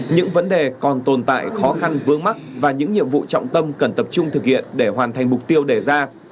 những vấn đề còn tồn tại khó khăn vướng mắt và những nhiệm vụ trọng tâm cần tập trung thực hiện để hoàn thành mục tiêu đề ra